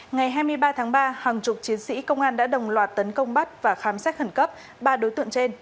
ngày hai mươi ba tháng ba hàng chục chiến sĩ công an đã đồng loạt tấn công bắt và khám xét khẩn cấp ba đối tượng trên